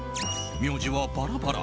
名字はバラバラ。